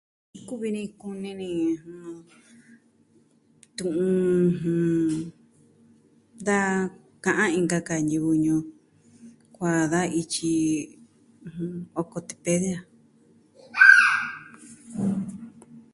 Kuvi ni kuni ni tu'un, jɨn, da ka'an inka ka ñivɨ ñuu kua da ityi Ocotepec.